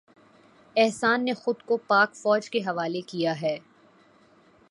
احسان نے خود کو پاک فوج کے حوالے کیا ہے